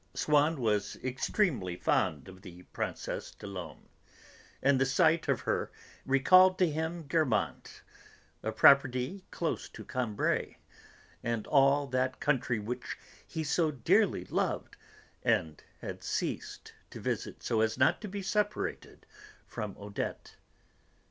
Swann was extremely fond of the Princesse des Laumes, and the sight of her recalled to him Guermantes, a property close to Combray, and all that country which he so dearly loved and had ceased to visit, so as not to be separated from Odette.